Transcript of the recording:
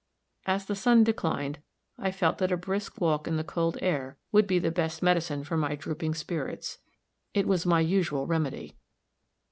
As the sun declined, I felt that a brisk walk in the cold air would be the best medicine for my drooping spirits it was my usual remedy.